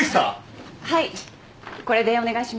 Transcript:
はいこれでお願いします。